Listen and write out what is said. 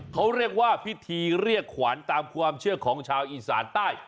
เขาเรียกว่าพิธีเรียกขวานตามความเชื่อของชาวอีสานใต้